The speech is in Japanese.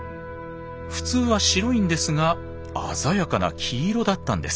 普通は白いんですが鮮やかな黄色だったんです。